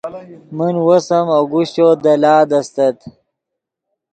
من وس ام اگوشچو دے لاد استت